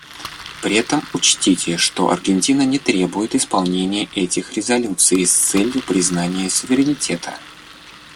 При этом учтите, что Аргентина не требует исполнения этих резолюций с целью признания суверенитета.